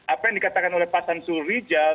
apa yang dikatakan oleh pak samsul rijal